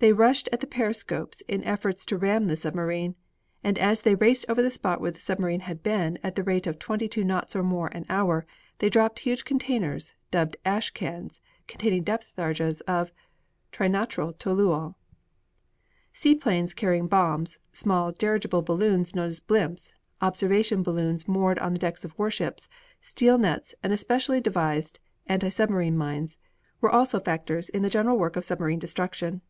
They rushed at the periscopes in efforts to ram the submarine, and as they raced over the spot where the submarine had been at the rate of twenty two knots or more an hour, they dropped huge containers, dubbed "ash cans", containing depth charges of trinitrotoluol. Sea planes carrying bombs, small dirigible balloons known as "blimps," observation balloons moored on the decks of warships, steel nets, and especially devised anti submarine mines, were also factors in the general work of submarine destruction.